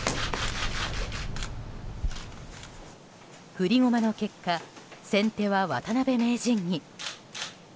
振り駒の結果先手は渡辺名人に。